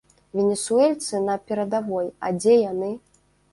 Венесуэльцы на перадавой, а дзе яны?